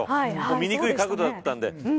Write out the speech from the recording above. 見にくい角度だったので。